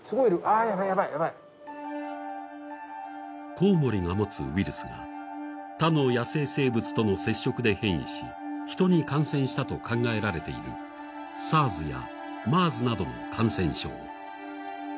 こうもりが持つウイルスが他の野生生物との接触で変異しヒトに感染したと考えられているＳＡＲＳやＭＥＲＳなどの感染症。